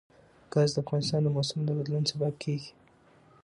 ګاز د افغانستان د موسم د بدلون سبب کېږي.